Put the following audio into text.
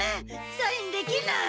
サインできない！